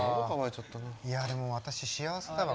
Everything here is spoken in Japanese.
いやでも私幸せだわ。